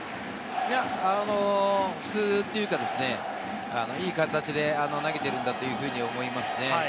いや、普通というか、いい形で投げているんだというふうに思いますね。